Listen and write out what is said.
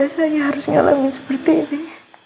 saya harus ngalamin seperti itu